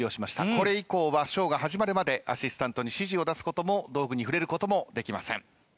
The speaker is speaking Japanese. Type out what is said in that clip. これ以降はショーが始まるまでアシスタントに指示を出すことも道具に触れることもできません。